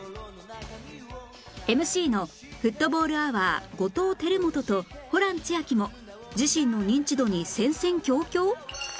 ＭＣ のフットボールアワー後藤輝基とホラン千秋も自身のニンチドに戦々恐々！？